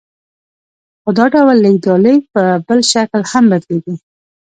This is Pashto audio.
خو دا ډول لېږد رالېږد په بل شکل هم بدلېږي